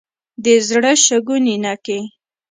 د زري شګو نینکې.